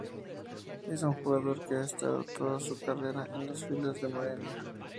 Es un jugador que ha estado toda su carrera en las filas del Morelia.